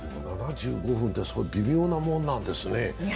７５分って微妙なものなんですね。